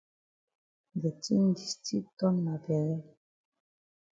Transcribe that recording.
De tin di still ton ma bele.